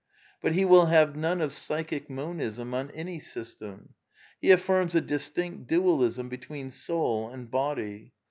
'' But he will have none of Psychic Monism on any system. He affirms a distinct ""■^— dualism between soul and body.